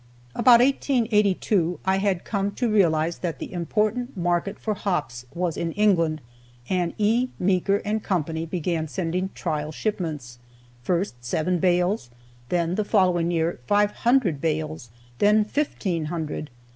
About 1882 I had come to realize that the important market for hops was in England, and E. Meeker & Co. began sending trial shipments, first seven bales, then the following year five hundred bales, then fifteen hundred.